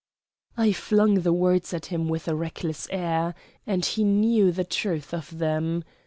I flung the words at him with a reckless air, and he knew the truth of them.